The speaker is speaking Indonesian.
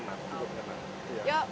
kalau bbm ya cukup hemat